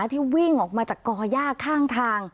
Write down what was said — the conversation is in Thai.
มันจะวิ่งออกมาจากกอหญ้าข้างทาง